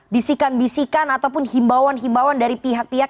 bisikan bisikan ataupun himbauan himbauan dari pihak pihak